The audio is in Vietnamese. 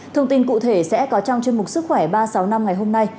thông tin cụ thể sẽ có trong chương mục sức khỏe ba sáu năm ngày hôm nay